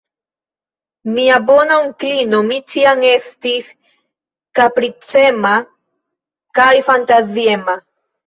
Mia bona onklino, mi ĉiam estis kapricema kaj fantaziema.